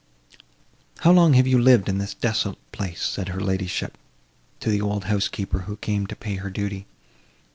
"How long have you lived in this desolate place?" said her ladyship, to the old housekeeper, who came to pay her duty.